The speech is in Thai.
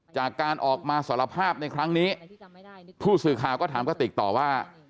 จากการออกมาสารภาพในครั้งนี้ผู้สื่อข่าวก็ถามกระติกต่อว่า